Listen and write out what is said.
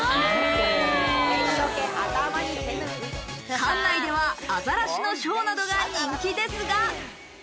館内ではアザラシのショーなどが人気ですが。